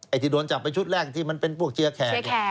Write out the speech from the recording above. ไอ้ที่โดนจับไปชุดแรกที่มันเป็นพวกเชื้อแขก